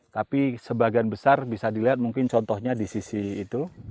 tapi sebagian besar bisa dilihat mungkin contohnya di sisi itu